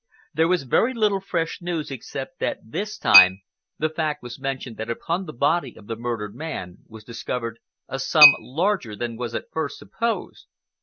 There was very little fresh news except that this time the fact was mentioned that upon the body of the murdered man was discovered a sum larger than was at first supposed.